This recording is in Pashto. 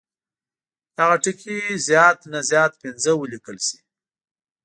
دغه ټکي زیات نه زیات پنځه ولیکل شي.